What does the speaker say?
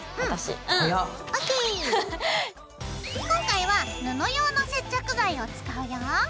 今回は布用の接着剤を使うよ。